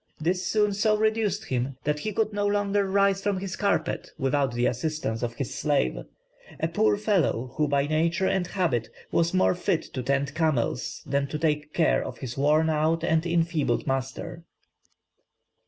This soon so reduced him, that he could no longer rise from his carpet without the assistance of his slave, "a poor fellow who by nature and habit was more fit to tend camels than to take care of his worn out and enfeebled master."